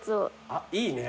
あっいいね。